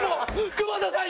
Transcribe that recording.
久保田さん